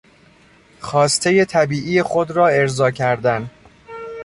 خواستهی طبیعی خود را ارضا کردن